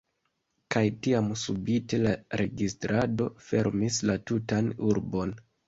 kaj tiam subite la registrado fermis la tutan urbon.